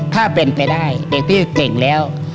ถ้าเป็นไปได้เด็กที่เก่งแล้ว